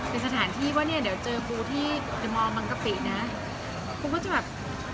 เป็นสถานที่ว่าเนี้ยเดี๋ยวเจอพวกที่คุณหมอมังกะปินะคุณว่าเจอแบบ